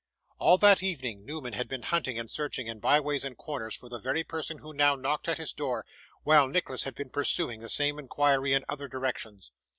All that evening, Newman had been hunting and searching in byways and corners for the very person who now knocked at his door, while Nicholas had been pursuing the same inquiry in other directions.